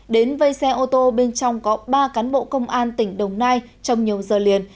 đến vây xe ô tô bên trong có ba cán bộ công an tỉnh đồng nai trong nhiều giờ liền